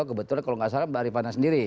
kebetulan kalau tidak salah mbak arifana sendiri